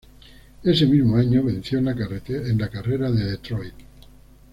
Ese mismo año, venció en la carrera de Detroit.